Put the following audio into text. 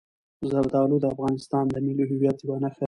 زردالو د افغانستان د ملي هویت یوه نښه ده.